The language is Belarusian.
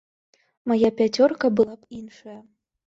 Мая пяцёрка была б іншая.